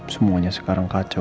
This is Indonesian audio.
semuanya sekarang kacau